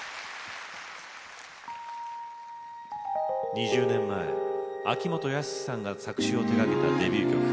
２０年前、秋元康さんが作詞を手がけたデビュー曲。